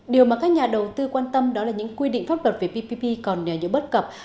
điều mà các nhà đầu tư quan tâm đó là những quy định pháp luật về ppp còn những bất cập